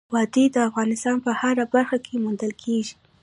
وادي د افغانستان په هره برخه کې موندل کېږي.